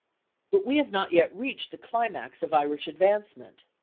But we have not yet reached the climax of Irish advancement.